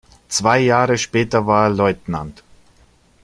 Zwei Jahre später war er Leutnant.